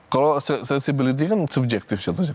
kalau sensibility kan subjektif